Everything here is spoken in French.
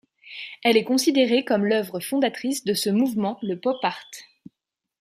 Elle est considérée comme l’œuvre fondatrice de ce mouvement le pop art.